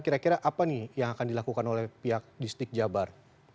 kira kira apa nih yang akan dilakukan oleh pihak distrik jabar